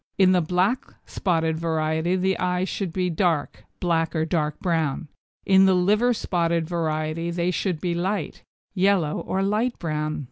In the black spotted variety the eyes should be dark (black or dark brown), in the liver spotted variety they should be light (yellow or light brown).